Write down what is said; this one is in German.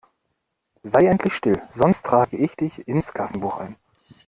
Sei endlich still, sonst trage ich dich ins Klassenbuch ein!